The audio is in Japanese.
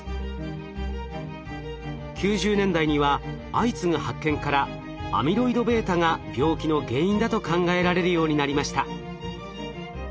９０年代には相次ぐ発見からアミロイドβが病気の原因だと考えられるようになりました。